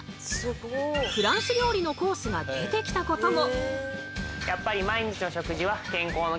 フランス料理のコースが出てきたことも！